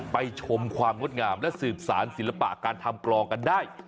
ชมความงดงามและสืบสารศิลปะการทำกลองกันได้